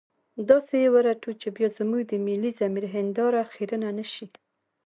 داسې يې ورټو چې بيا زموږ د ملي ضمير هنداره خيرنه نه شي.